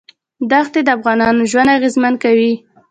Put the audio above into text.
ښتې د افغانانو ژوند اغېزمن کوي.